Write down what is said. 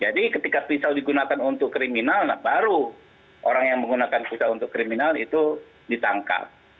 ketika pisau digunakan untuk kriminal baru orang yang menggunakan pisau untuk kriminal itu ditangkap